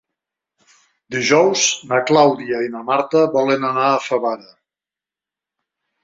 Dijous na Clàudia i na Marta volen anar a Favara.